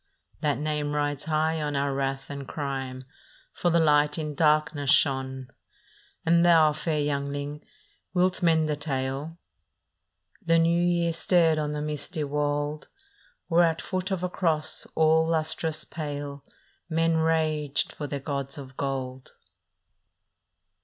" That name rides high on our wrath and crime, For the Light in darkness shone. " And thou, fair youngling, wilt mend the tale? " The New Year stared on the misty wold, Where at foot of a cross all lustrous pale Men raged for their gods of gold.